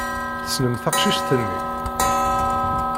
Tessnem taqcict-nni?